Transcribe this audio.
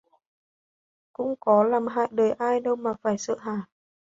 Cũng có làm hại đời ai đâu mà phải sợ hả